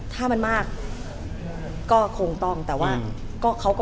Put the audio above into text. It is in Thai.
ตอนนี้ก็คืออย่างทุกคนทราบเหมือนกันนะคะ